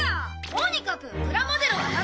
とにかくプラモデルはダメ。